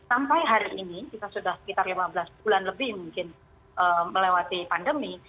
sampai hari ini kita sudah sekitar lima belas bulan lebih mungkin melewati pandemi